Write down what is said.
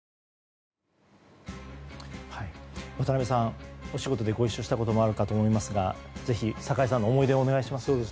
渡辺さん、お仕事でご一緒したこともあるかと思いますがぜひ酒井さんの思い出をお願いします。